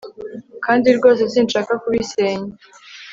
Kandi rwose sinshaka kubisenya